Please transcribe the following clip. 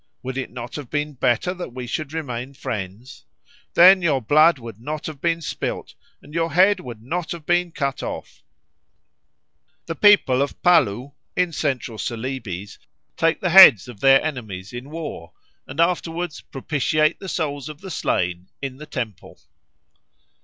Would it not have been better that we should remain friends? Then your blood would not have been spilt and your head would not have been cut off." The people of Paloo in Central Celebes take the heads of their enemies in war and afterwards propitiate the souls of the slain in the temple.